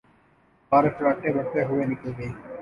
کار فراٹے بھرتی ہوئے نکل گئی۔